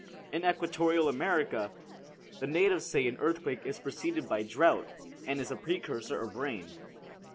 In equatorial America, the natives say an earthquake is preceded by drought, and is the precursor of rain.